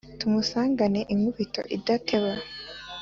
tumusangane inkubito idateba